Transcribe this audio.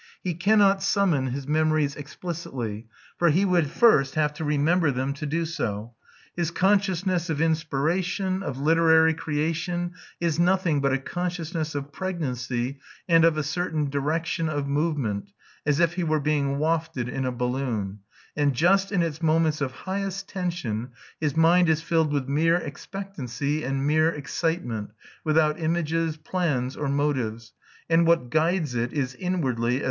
He cannot summon his memories explicitly, for he would first have to remember them to do so; his consciousness of inspiration, of literary creation, is nothing but a consciousness of pregnancy and of a certain "direction of movement," as if he were being wafted in a balloon; and just in its moments of highest tension his mind is filled with mere expectancy and mere excitement, without images, plans, or motives; and what guides it is inwardly, as M.